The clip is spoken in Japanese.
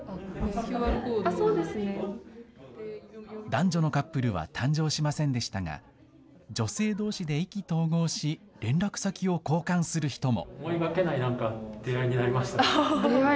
男女のカップルは誕生しませんでしたが、女性どうしで意気投合し、連絡先を交換する人も。